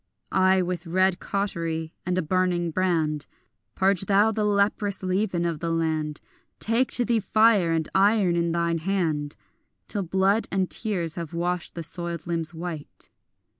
Ay, with red cautery and a burning brand Purge thou the leprous leaven of the land; Take to thee fire, and iron in thine hand, Till blood and tears have washed the soiled limbs white.